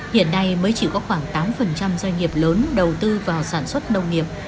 hiện nay mới chỉ có khoảng tám doanh nghiệp lớn đầu tư vào sản xuất nông nghiệp